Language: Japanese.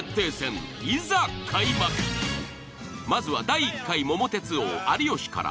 まずは第１回桃鉄王有吉から。